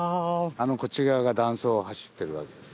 あのこっち側が断層走ってるわけです。